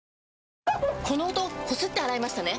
この音こすって洗いましたね？